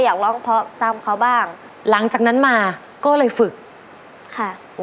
อยากร้องเพราะตามเขาบ้างหลังจากนั้นมาก็เลยฝึกค่ะ